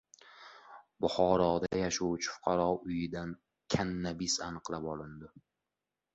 Buxoroda yashovchi fuqaro uyidan "kannabis" aniqlab olindi